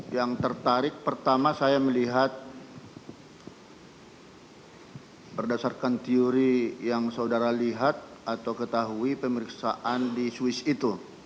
yang tertarik pertama saya melihat berdasarkan teori yang saudara lihat atau ketahui pemeriksaan di swiss itu